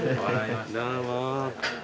どうも。